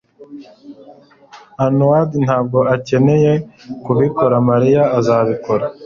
Arnaud ntabwo akeneye kubikora. Mariya azabikora.